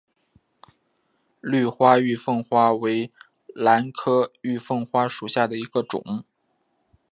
绿花玉凤花为兰科玉凤花属下的一个种。